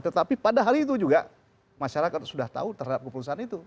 tetapi pada hari itu juga masyarakat sudah tahu terhadap keputusan itu